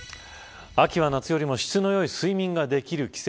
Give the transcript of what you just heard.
秋は夏よりも質の良い睡眠ができる季節。